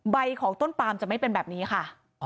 ใบของต้นปามจะไม่เป็นแบบนี้ค่ะ